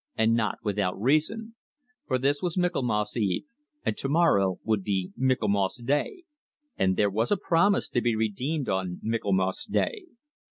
And not without reason; for this was Michaelmas eve, and tomorrow would be Michaelmas day, and there was a promise to be redeemed on Michaelmas day!